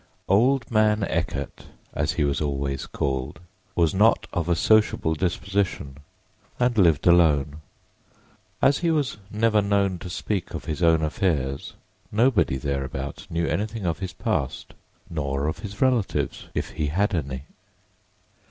"Old Man Eckert," as he was always called, was not of a sociable disposition and lived alone. As he was never known to speak of his own affairs nobody thereabout knew anything of his past, nor of his relatives if he had any.